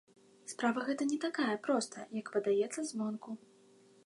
Справа гэта не такая простая, як падаецца звонку.